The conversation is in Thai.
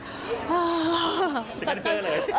เครื่องเฟรื่อ